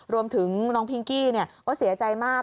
รวมถึงน้องพิงกี้ก็เสียใจมาก